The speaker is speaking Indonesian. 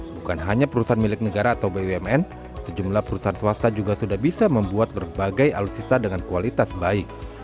bukan hanya perusahaan milik negara atau bumn sejumlah perusahaan swasta juga sudah bisa membuat berbagai alutsista dengan kualitas baik